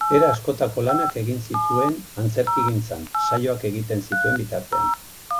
Era askotako lanak egin zituen antzerkigintzan saioak egiten zituen bitartean.